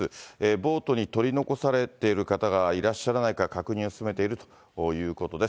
ボートに取り残されている方がいらっしゃらないか確認を進めているということです。